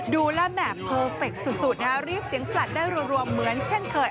ดูแล้วแหมเปอร์เฟคสุดรีบเสียงสลัดได้รวมเหมือนเช่นเคย